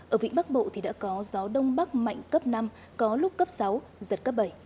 ở vịnh bắc bộ thì đã có gió đông bắc mạnh cấp năm có lúc cấp sáu giật cấp bảy